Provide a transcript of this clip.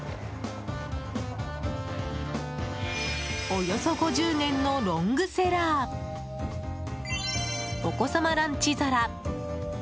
およそ５０年のロングセラーお子様ランチ皿。